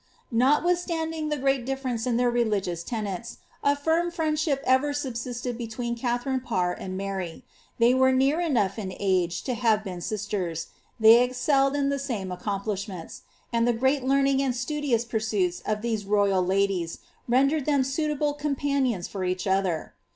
Notwith^standing the great difference in their religious tenets, a fin friendship ever subsisted between Katharine Parr and ^[arv. Thev wen near enougli in a^e to have been sifters, they excelled in the sane accomplishments, and ilie great learning and studious pursuits of iheM royal Ia(!ies rendered them suitable companions for each other.